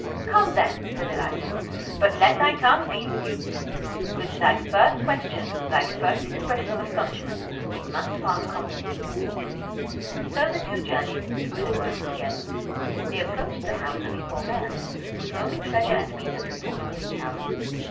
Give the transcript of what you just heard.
"Come, then," said Elijah; "but let thy tongue be mute. With thy first question, thy first expression of astonishment, we must part company." So the two journeyed, through the world together. They approached the house of a poor man, whose only treasure and means of support was a cow.